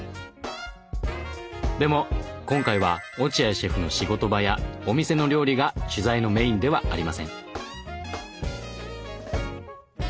でも今回は落合シェフの仕事場やお店の料理が取材のメインではありません。